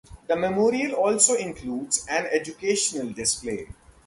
The memorial also includes an educational display.